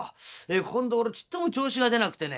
ここんところちっとも調子が出なくてね」。